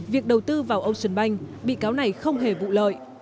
việc đầu tư vào ocean bank bị cáo này không hề vụ lợi